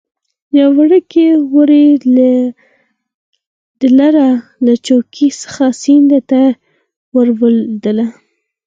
یو وړکی وری د لره له څوکې څخه سیند ته ور ولوېده.